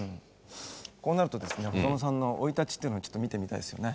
こうなるとですね細野さんの生い立ちっていうのをちょっと見てみたいですよね。